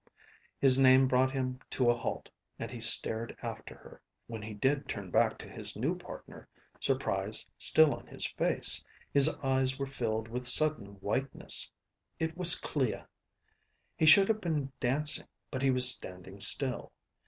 His name brought him to a halt, and he stared after her. When he did turn back to his new partner, surprise still on his face, his eyes were filled with sudden whiteness. It was Clea. He should have been dancing, but he was standing still.